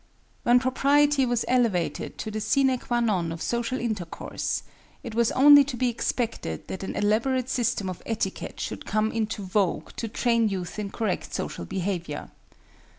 When propriety was elevated to the sine qua non of social intercourse, it was only to be expected that an elaborate system of etiquette should come into vogue to train youth in correct social behavior.